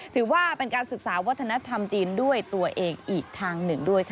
ถือว่าเป็นการศึกษาวัฒนธรรมจีนด้วยตัวเองอีกทางหนึ่งด้วยค่ะ